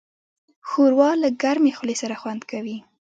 ښوروا له ګرمې خولې سره خوند کوي.